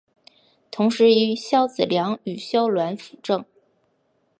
同时由萧子良与萧鸾辅政。